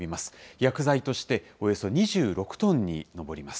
薬剤としておよそ２６トンに上ります。